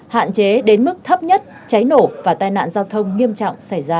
hạn chế đến mức thấp nhất cháy nổ và tai nạn giao thông nghiêm trọng xảy ra